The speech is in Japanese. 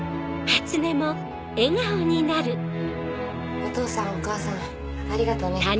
お父さんお母さんありがとうね。